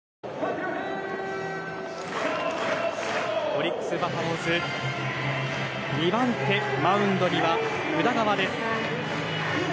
オリックス・バファローズ２番手、マウンドには宇田川です。